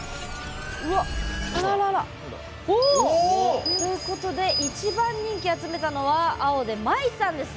あらららおおっ！ということで一番人気を集めたのは青でまいさんですね。